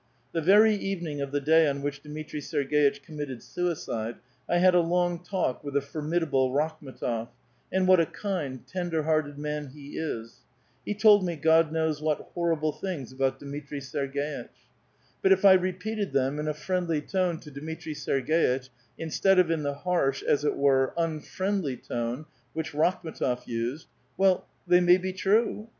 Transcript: The very evening of the day on wbich Dmitri Serg^itch committed suicide, I had a long talk with the fomiidable Rakhm6tof — and what a kind, ten der hearted man he is ! He told me God knows what horri ble things about Dmitri Serg^itch. But if I repeated them in a friendly tone to Dmitri Serg^itch, instead of in the harsh, as it were, unfriendly, tone which Rakhm6tof used, — well, they may be true.